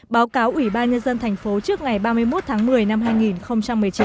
báo cáo ủy ban nhân dân thành phố trước ngày ba mươi một tháng một mươi năm hai nghìn một mươi chín